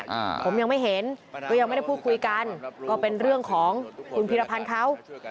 อ่าผมยังไม่เห็นก็ยังไม่ได้พูดคุยกันก็เป็นเรื่องของคุณพีรพันธ์เขา